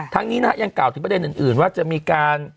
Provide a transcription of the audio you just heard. นี้นะฮะยังกล่าวถึงประเด็นอื่นว่าจะมีการ